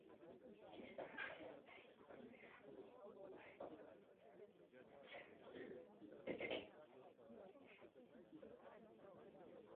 This process may include a polygraph or other approved investigative or adjudicative action.